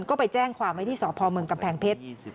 ก็ไปแจ้งความไว้ที่สพเมืองกำแพงเพชร